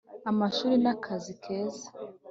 amashuri n'akazi keza